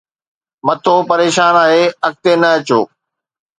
مٿو پريشان آهي، اڳتي نه اچو